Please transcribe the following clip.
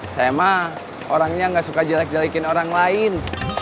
sama orangnya enggak suka jelek jelekin orang lain